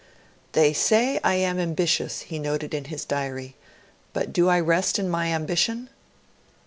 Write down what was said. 'They say I am ambitious,' he noted in his Diary, 'but do I rest in my ambition?'